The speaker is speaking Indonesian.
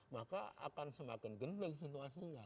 maka akan semakin gendrek situasinya